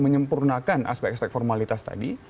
menyempurnakan aspek aspek formalitas tadi